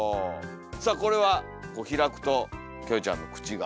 さあこれはこう開くとキョエちゃんの口が。